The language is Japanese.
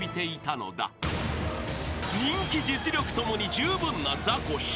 ［人気実力共に十分なザコシ］